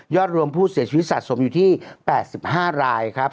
รวมผู้เสียชีวิตสะสมอยู่ที่๘๕รายครับ